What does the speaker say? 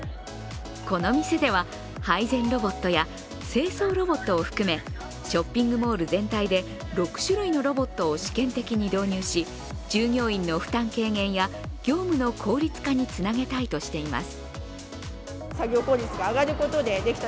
この店では配膳ロボットや清掃ロボットを含め、ショッピングモール全体で６種類のロボットを試験的に導入し従業員の負担軽減や業務の効率化につなげたいとしています。